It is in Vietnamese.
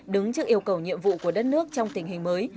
đứng trước yêu cầu nhiệm vụ của đất nước trong tình hình mới